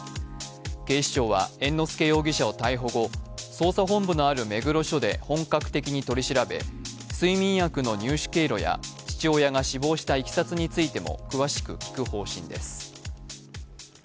警視庁は猿之助容疑者を逮捕後、捜査本部のある目黒署で本格的に取り調べ睡眠薬の入手経路や父親が死亡したいきさつについても詳しく聴く方針です。